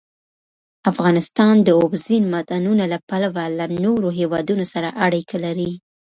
افغانستان د اوبزین معدنونه له پلوه له نورو هېوادونو سره اړیکې لري.